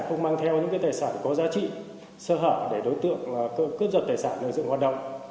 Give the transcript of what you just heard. không mang theo những tài sản có giá trị sơ hở để đối tượng cướp giật tài sản lợi dụng hoạt động